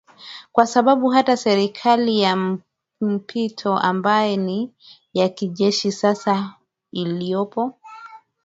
kwa sababu hata serikali ya mpito ambayo ni ya kijeshi sasa iliopo